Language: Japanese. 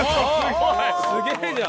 すげえじゃん。